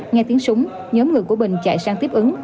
nghe tiếng súng nhóm người của bình chạy sang tiếp ứng